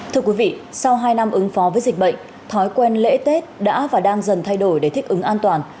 thưa quý vị sau hai năm ứng phó với dịch bệnh thói quen lễ tết đã và đang dần thay đổi để thích ứng an toàn